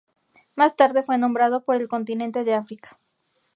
Más tarde fue nombrado por el continente de África.